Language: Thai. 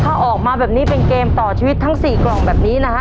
ถ้าออกมาแบบนี้เป็นเกมต่อชีวิตทั้ง๔กล่องแบบนี้นะฮะ